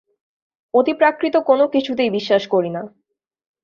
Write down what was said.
অতিপ্রাকৃত কোনো কিছুতেই বিশ্বাস করি না।